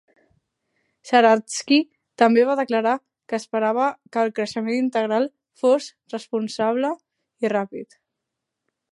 Saretsky també va declarar que esperava que el creixement integral fos responsable i ràpid.